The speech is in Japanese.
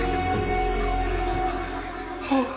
あっ。